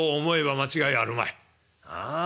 ああ。